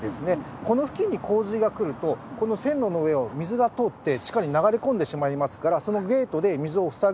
この付近に洪水が来るとこの線路の上を水が通って地下に流れ込んでしまいますからそのゲートで水を塞ぐ。